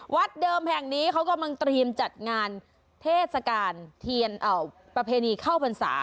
เดิมแห่งนี้เขากำลังเตรียมจัดงานเทศกาลเทียนประเพณีเข้าพรรษา